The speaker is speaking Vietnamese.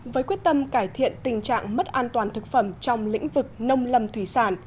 với quyết tâm cải thiện tình trạng mất an toàn thực phẩm trong lĩnh vực nông lâm thủy sản